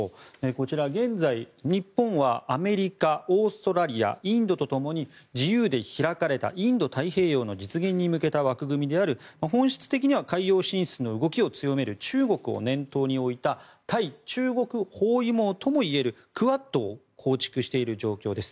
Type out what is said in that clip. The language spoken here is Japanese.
こちら、現在日本はアメリカ、オーストラリアインドとともに自由で開かれたインド太平洋の実現に向けた枠組みである本質的には海洋進出の動きを強める中国を念頭に置いた対中国包囲網ともいえるクアッドを構築している状況です。